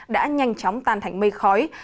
đã nhanh chóng tan thành mây khói